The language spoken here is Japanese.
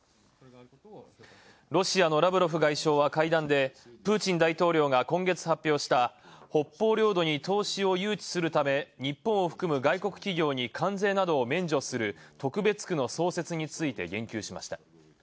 ロシアのラブロフ外相はプーチン大統領が今月発表した北方領土に投資を誘致するため日本を含む外国企業に関税などを免除する特別区の創設について言及しました